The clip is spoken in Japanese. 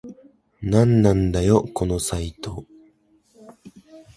なんなんだよこのサイト